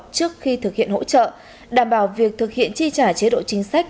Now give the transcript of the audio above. trước khi thực hiện hỗ trợ đảm bảo việc thực hiện chi trả chế độ chính sách